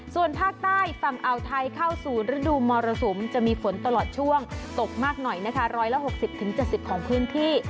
ส่วนภาคใต้ฝั่งอ่าวไทยเข้าสู่ฤดูมรสุมจะมีฝนตลอดช่วงตกมากหน่อยนะคะ๑๖๐๗๐ของพื้นที่